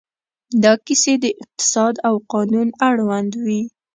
دا کیسې د اقتصاد او قانون اړوند وې.